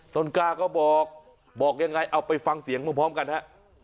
กล้าก็บอกบอกยังไงเอาไปฟังเสียงพร้อมกันฮะ